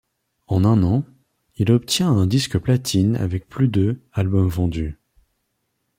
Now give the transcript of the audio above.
En un an, il obtient un disque platine avec plus de albums vendus.